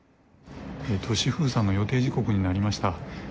都市封鎖の予定時刻になりました。